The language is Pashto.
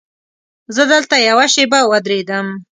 زه دلته یوه شېبه ودرېدم.